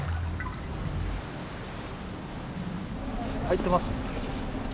入ってます？